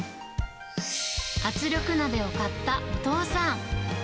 圧力鍋を買ったお父さん。